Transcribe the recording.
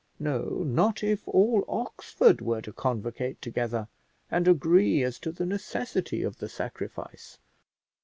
No, not if all Oxford were to convocate together, and agree as to the necessity of the sacrifice.